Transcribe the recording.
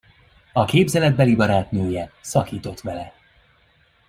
A képzeletbeli barátnője szakított vele.